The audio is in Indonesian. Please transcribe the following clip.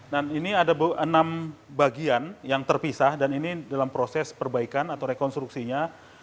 dan ini ada enam bagian yang terpisah dan ini dalam proses perbaikan atau rekonstruksinya